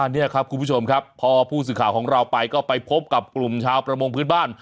นี่ครับคุณผู้ชมครับพอผู้สื่อข่าวของเราไปก็ไปพบกับกลุ่มชาวประมงพื้นบ้าน